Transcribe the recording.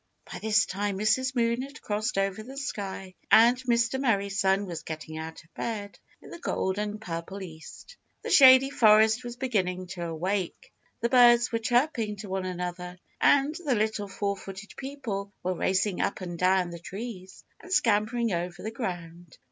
By this time Mrs. Moon had crossed over the sky, and Mr. Merry Sun was getting out of bed in the gold and purple East. The Shady Forest was beginning to awake. The birds were chirping to one another, and the Little Four footed People were racing up and down the trees and scampering over the ground.